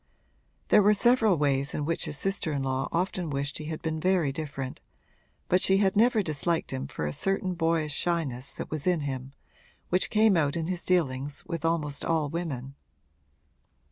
There were several ways in which his sister in law often wished he had been very different, but she had never disliked him for a certain boyish shyness that was in him, which came out in his dealings with almost all women.